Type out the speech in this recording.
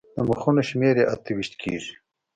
د مخونو شمېره یې اته ویشت کېږي.